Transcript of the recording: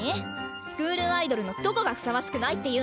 スクールアイドルのどこがふさわしくないっていうの？